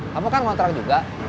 kamu kan ngontrak juga